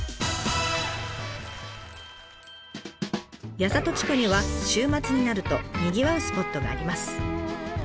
八郷地区には週末になるとにぎわうスポットがあります。